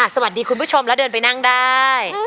คุณผู้ชมแล้วเดินไปนั่งได้